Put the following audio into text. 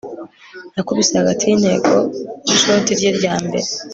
yakubise hagati yintego nishoti rye rya mbere